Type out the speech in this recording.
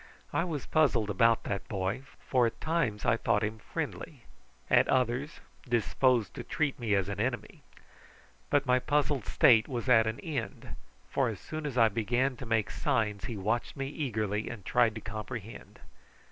I was puzzled about that boy, for at times I thought him friendly, at others disposed to treat me as an enemy; but my puzzled state was at an end, for as soon as I began to make signs he watched me eagerly and tried to comprehend.